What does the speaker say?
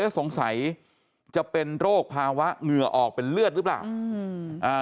สงสัยจะเป็นโรคภาวะเหงื่อออกเป็นเลือดหรือเปล่าอืมอ่า